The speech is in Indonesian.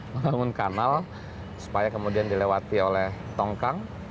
membangun kanal supaya kemudian dilewati oleh tongkang